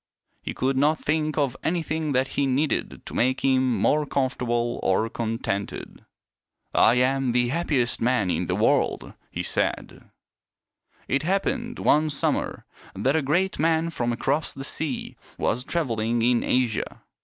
He could not think of anything that he needed to make him more comfortable or contented. " I am the happiest man in the world," he said. It happened one summer that a great man from across the sea was traveling in Asia.